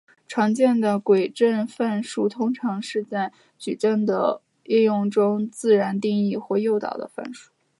常见的矩阵范数通常是在矩阵的应用中自然定义或诱导的范数。